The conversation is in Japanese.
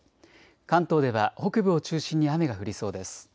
関東では北部を中心に雨が降りそうです。